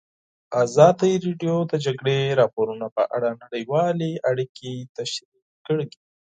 ازادي راډیو د د جګړې راپورونه په اړه نړیوالې اړیکې تشریح کړي.